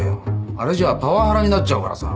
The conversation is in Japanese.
あれじゃパワハラになっちゃうからさ。